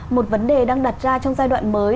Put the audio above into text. một vấn đề đang đặt ra trong giai đoạn mới